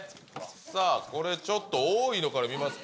これちょっと多いのから見ますか。